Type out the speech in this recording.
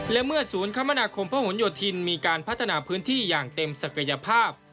และเมื่อศูนย์คมนาคมพระหลโยธินมีการพัฒนาพื้นที่อย่างเต็มศักยภาพ